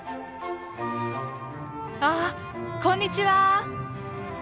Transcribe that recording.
あこんにちは！